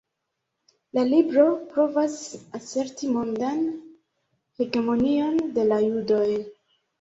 La libro provas aserti mondan hegemonion de la judoj.